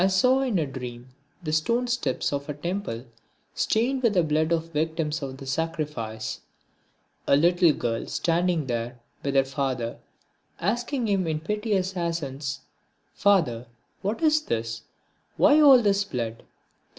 I saw in a dream the stone steps of a temple stained with the blood of victims of the sacrifice; a little girl standing there with her father asking him in piteous accents: "Father, what is this, why all this blood?"